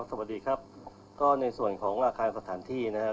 สวัสดีครับก็ในส่วนของอาคารสถานที่นะครับ